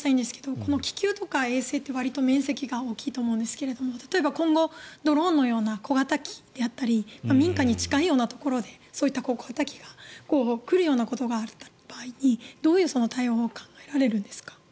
気球とか衛星って面積が大きいと思うんですがドローンのような小型機が民家に近いようなところでそういった小型機が来るようなことがある場合にどういう対応が考えられるんですか？